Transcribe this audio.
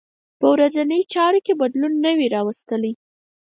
په ورځنۍ چارو کې بدلون نه وي راوستلی.